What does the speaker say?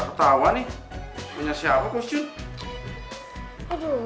gak ketawa nih punya siapa bos jul